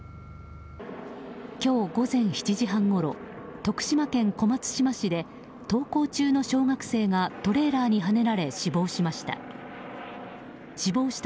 今日午前７時半ごろ徳島県小松島市で登校中の小学生がトレーラーにはねられ死亡しました。